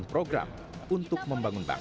kpu juga mencari keputusan untuk mencari keputusan